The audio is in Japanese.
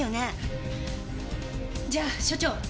じゃあ所長